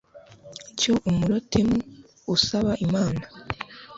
cy umurotemu u asaba imana